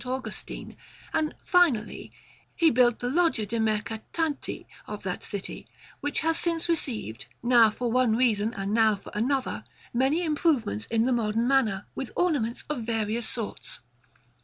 Augustine; and finally, he built the Loggia de' Mercatanti of that city, which has since received, now for one reason and now for another, many improvements in the modern manner, with ornaments of various sorts.